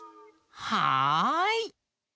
はい！